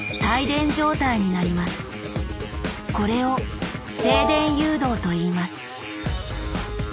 これを静電誘導といいます。